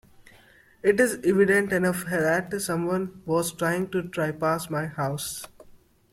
It is evident enough that someone was trying to trespass my house.